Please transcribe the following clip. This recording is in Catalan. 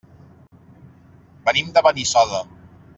Venim de Benissoda.